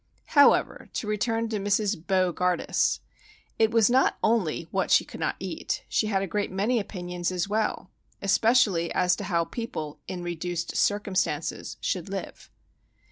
However, to return to Mrs. Bo gardus. It was not only what she could not eat. She had a great many opinions as well, especially as to how people "in reduced circumstances" should live.